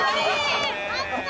「あった！